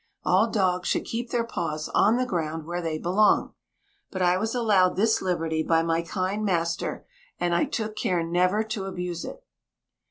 All dogs should keep their paws on the ground where they belong, but I was allowed this liberty by my kind master, and I took care never to abuse it.